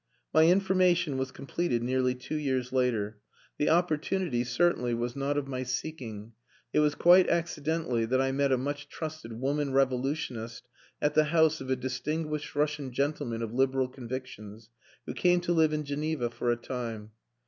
My information was completed nearly two years later. The opportunity, certainly, was not of my seeking; it was quite accidentally that I met a much trusted woman revolutionist at the house of a distinguished Russian gentleman of liberal convictions, who came to live in Geneva for a time.